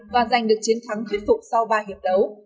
và giành được chiến thắng khuyến phục sau ba hiệp đại